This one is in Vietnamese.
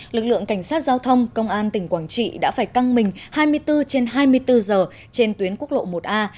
lực lượng cảnh sát giao thông công an tỉnh quảng trị đã phải căng mình hai mươi bốn trên hai mươi bốn giờ trên tuyến quốc lộ một a